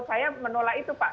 saya menolak itu pak